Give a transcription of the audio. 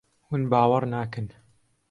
Hûn bawer nakin.